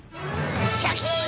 シャキン！